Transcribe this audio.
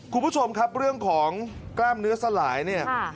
คุณผู้ชมครับเรื่องของกล้ามเนื้อสลายเนี่ย